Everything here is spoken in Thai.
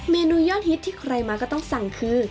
เมนูยอดฮิตที่ใครมาก็ต้องสั่งคือ